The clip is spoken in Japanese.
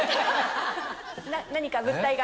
何か物体が？